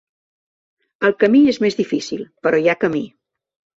El camí és més difícil però hi ha camí.